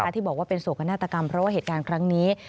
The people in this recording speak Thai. ที่บอกว่าเป็นโศกนาฏกรรมเพราะว่าเหตุการณ์ครั้งนี้